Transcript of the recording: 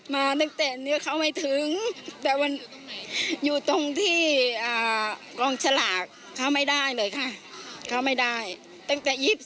มาตั้งแต่เดี๋ยวเข้ามาถึง